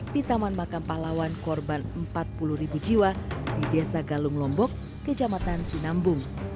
di taman makam pahlawan korban empat puluh jiwa di desa galung lombok kejamatan kinambung